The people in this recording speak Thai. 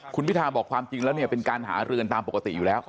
คุณพิทาบอกความจริงแล้วเนี่ยเป็นการหาเรือนตามปกติอยู่แล้ว